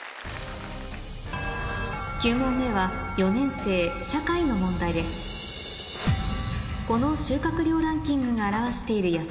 ９問目は４年生社会の問題ですえっと熊本？